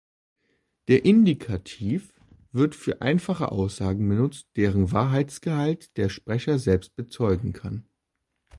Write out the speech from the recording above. Der Indikativ wird für einfache Aussagen benutzt, deren Wahrheitsgehalt der Sprecher selbst bezeugen kann.